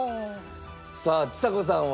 さあちさ子さんは。